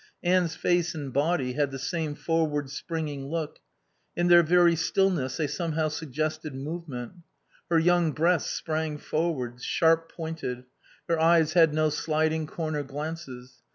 Anne's face and body had the same forward springing look. In their very stillness they somehow suggested movement. Her young breasts sprang forwards, sharp pointed. Her eyes had no sliding corner glances.